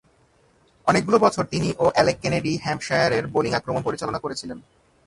অনেকগুলো বছর তিনি ও অ্যালেক কেনেডি হ্যাম্পশায়ারের বোলিং আক্রমণ পরিচালনা করেছিলেন।